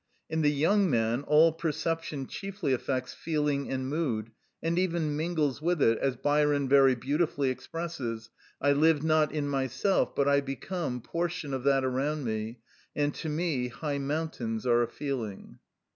In the young man all perception chiefly affects feeling and mood, and even mingles with it, as Byron very beautifully expresses— "I live not in myself, but I become Portion of that around me; and to me High mountains are a feeling."